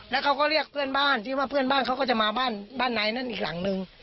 แล้วเขาก็เรียกเพื่อนบ้านที่ว่าเพื่อนบ้านเขาก็จะมาบ้านบ้านในนั้นอีกหลังนึง